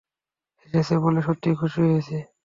এসেছ বলে সত্যিই খুশি হয়েছি।